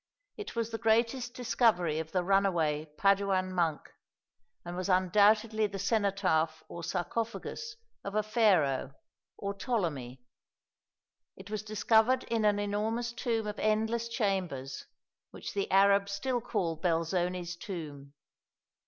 It was the greatest discovery of the runaway Paduan Monk, and was undoubtedly the cenotaph or sarcophagus of a Pharaoh or Ptolemy. It was discovered in an enormous tomb of endless chambers, which the Arabs still call "Belzoni's tomb."